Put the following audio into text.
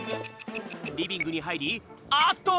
リビングにはいりあっと！